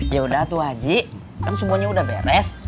ya udah tuh haji kan semuanya udah beres